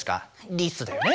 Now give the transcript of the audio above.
「リス」だよね